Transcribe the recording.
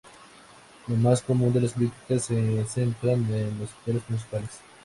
Lo más común de las críticas se centran en los actores principales.